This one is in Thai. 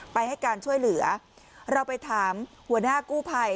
ให้การช่วยเหลือเราไปถามหัวหน้ากู้ภัย